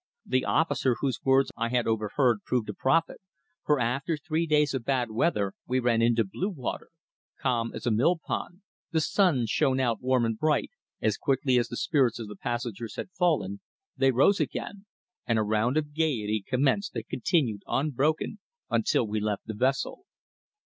The officer whose words I had overheard proved a prophet, for after three days of bad weather we ran into blue water, calm as a mill pond, the sun shone out warm and bright, as quickly as the spirits of the passengers had fallen they rose again, and a round of gaiety commenced that continued unbroken until we left the vessel.